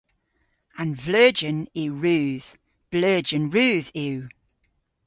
An vleujen yw rudh. Bleujen rudh yw.